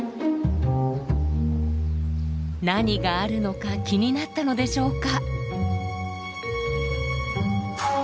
何があるのか気になったのでしょうか。